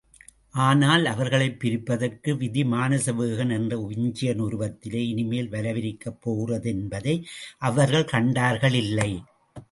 ஆனால் அவர்களைப் பிரிப்பதற்கு விதி, மானசவேகன் என்ற விஞ்சையன் உருவத்திலே இனிமேல் வலைவிரிக்கப் போகிறது என்பதை அவர்கள் கண்டார்களில்லை!